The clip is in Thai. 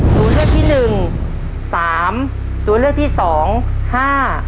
ตัวเลือกที่หนึ่งสามตัวเลือกที่สองห้า